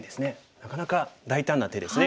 なかなか大胆な手ですね。